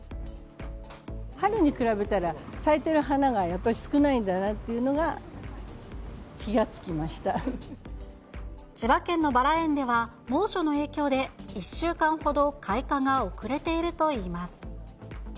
春に比べたら、咲いてる花が、やっぱり少ないんだなっていうのは、気が付きまし千葉県のバラ園では、猛暑の影響で１週間ほど開花が遅れているといいます。